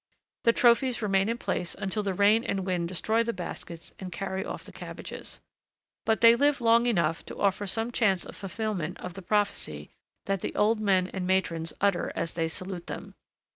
The trophies remain in place until the rain and wind destroy the baskets and carry off the cabbages. But they live long enough to offer some chance of fulfilment of the prophecy that the old men and matrons utter as they salute them.